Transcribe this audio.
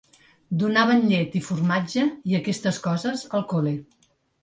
Donaven llet i formatge i aquestes coses, al col·le.